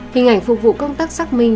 hình ảnh phục vụ công tác xác minh